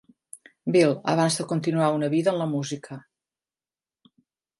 Bill abans de continuar una vida en la música.